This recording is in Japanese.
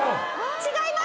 違います。